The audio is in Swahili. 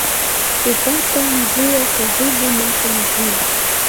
Hupata mvua karibu mwaka mzima.